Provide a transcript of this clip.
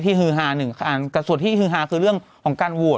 ฮือฮาหนึ่งแต่ส่วนที่ฮือฮาคือเรื่องของการโหวต